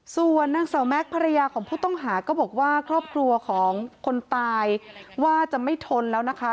ส่วนนางสาวแม็กซ์ภรรยาของผู้ต้องหาก็บอกว่าครอบครัวของคนตายว่าจะไม่ทนแล้วนะคะ